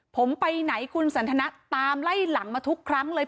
ผมไปไหนคุณสันทนาตามไล่หลังมาทุกครั้งเลย